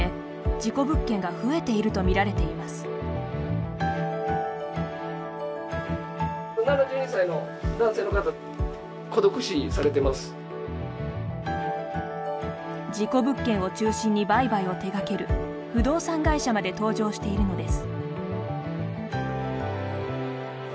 事故物件を中心に売買を手がける不動産会社まで登場しているのです。